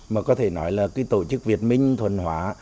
mà có thể nói là cái tổ chức việt minh thuần hóa